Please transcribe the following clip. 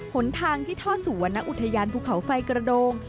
หนทางที่ท่อสู่วรรณอุทยานภูเขาไฟกระโดง